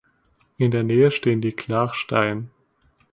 In der Nähe stehen die Clach Stein.